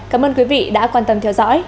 cảm ơn quý vị đã quan tâm theo dõi